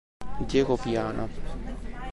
Diego Viana